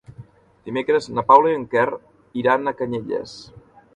Dimecres na Paula i en Quer iran a Canyelles.